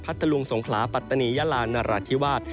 พัทธรุงสงคลาปัตตานียาลานนรัฐธิวาส